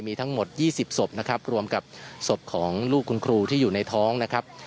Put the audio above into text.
มีทั้งหมด๒๐ศพนะครับรวมกับศพของลูกคุณครูที่อยู่ในท้องนะครับ